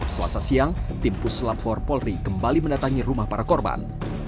selasa siang tim puslap empat polri kembali mendatangi rumah para korban